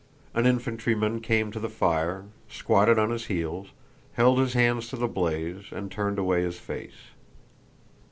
An infantryman came to the fire, squatted on his heels, held his hands to the blaze, and turned away his face.